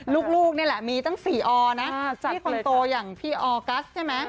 ลูกนี่แหละมีตั้ง๔ออนะพี่คนโตอย่างพี่ออกัสใช่ไหม